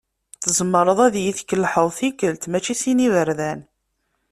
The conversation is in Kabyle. Tzemreḍ ad iyi-tkelḥeḍ tikkelt mačči sin n yiberdan.